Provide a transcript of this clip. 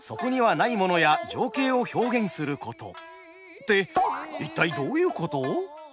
って一体どういうこと？